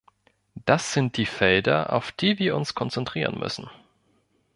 Das sind die Felder, auf die wir uns konzentrieren müssen.